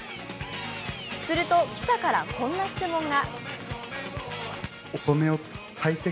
すると記者からこんな質問が。